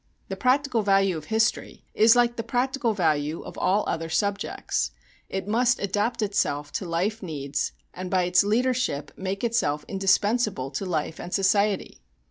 The practical value of history is like the practical value of all other subjects it must adapt itself to life needs, and by its leadership make itself indispensable to life and society.